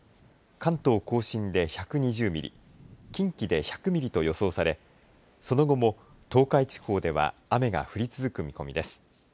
関東甲信で１２０ミリ近畿で１００ミリと予想されその後も、東海地方では雨が降り続く見込みです。